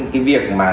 cái việc mà